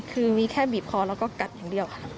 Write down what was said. คือมีแค่บีบคอแล้วก็กัดอย่างเดียวค่ะ